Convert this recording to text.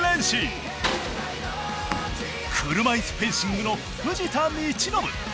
車いすフェンシングの藤田道宣。